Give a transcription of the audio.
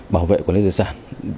bảo vệ quản lý tài sản